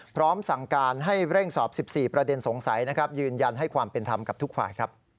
พร้อมสั่งการให้เร่งสอบ๑๔ประเด็นสงสัยนะครับยืนยันให้ความเป็นธรรมกับทุกฝ่าย